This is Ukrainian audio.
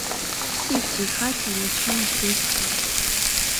Всі в тій хаті їй чимось близькі.